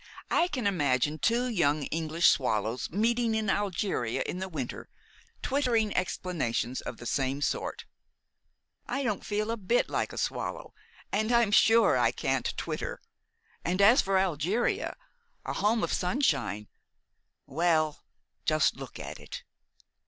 I can imagine two young English swallows, meeting in Algeria in the winter, twittering explanations of the same sort." "I don't feel a bit like a swallow, and I am sure I can't twitter, and as for Algeria, a home of sunshine well, just look at it!"